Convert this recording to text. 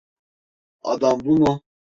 Adam bu mu?